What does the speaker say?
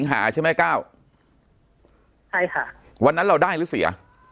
ปากกับภาคภูมิ